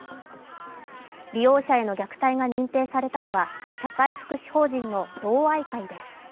利用者への虐待が認定されたのは社会福祉法人の同愛会です。